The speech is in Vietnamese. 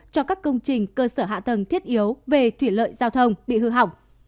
cho các công trình cơ sở hạ tầng thiết yếu về thủy lợi giao thông bị hư hỏng